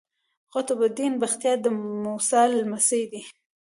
قطب الدین بختیار د موسی لمسی دﺉ.